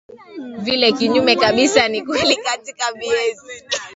Vile kinyume kabisa ni kweli katika miezi